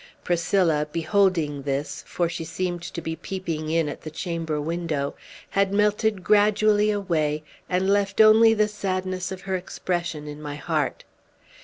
Priscilla, beholding this, for she seemed to be peeping in at the chamber window, had melted gradually away, and left only the sadness of her expression in my heart.